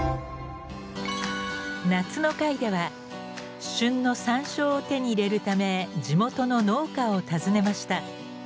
夏の回では旬の山椒を手に入れるため地元の農家を訪ねました。